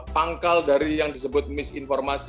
pangkal dari yang disebut misinformasi